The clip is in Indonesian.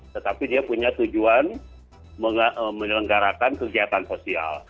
tetapi dia punya tujuan menyelenggarakan kegiatan sosial